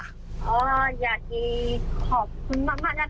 อยากที่ขอบคุณมากนะคะ